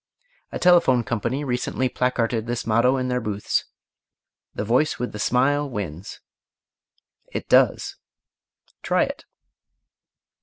A telephone company recently placarded this motto in their booths: "The Voice with the Smile Wins." It does. Try it.